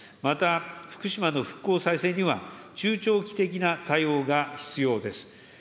また、福島の復興再生には、中長期的な対応が必要です。